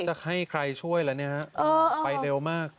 จะให้ใครช่วยแล้วเนี่ยฮะไปเร็วมาก